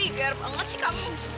igar banget sih kamu